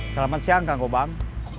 selamat siang kang kobang